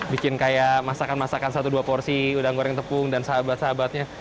bikin kayak masakan masakan satu dua porsi udang goreng tepung dan sahabat sahabatnya